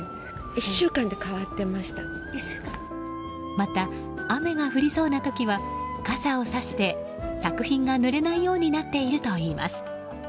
また、雨が降りそうな時は傘をさして作品がぬれないようになっているといいます。